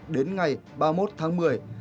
đến ngày ba mươi một tháng một mươi